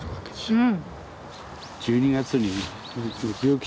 うん。